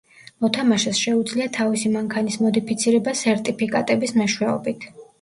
მოთამაშეს შეუძლია თავისი მანქანის მოდიფიცირება სერტიფიკატების მეშვეობით.